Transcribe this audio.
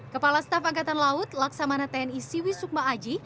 kepala staf angkatan laut laksamana tni siwi sukma aji